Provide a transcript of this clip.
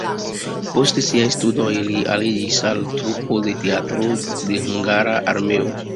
Post siaj studoj li aliĝis al trupo de Teatro de Hungara Armeo.